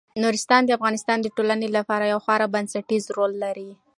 نورستان د افغانستان د ټولنې لپاره یو خورا بنسټيز رول لري.